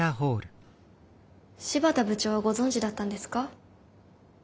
新発田部長はご存じだったんですか？